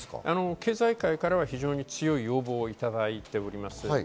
経済界からは強い要望をいただいております。